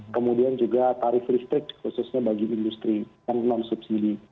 kemudian juga tarif listrik khususnya bagi industri yang non subsidi